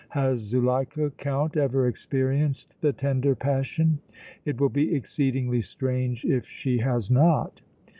Has Zuleika, Count, ever experienced the tender passion? It will be exceedingly strange if she has not."